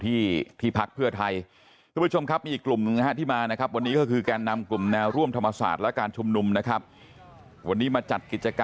ที่พรรคเพื่อไทย